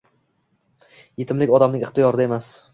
Yetimlik odamning ixtiyorida emas.